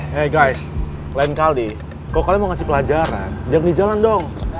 hey guys lain kali kok kalian mau ngasih pelajaran jangan di jalan dong